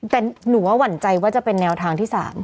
แต่หนูว่าหวั่นใจว่าจะเป็นแนวทางที่๓